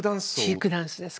チークダンスですから。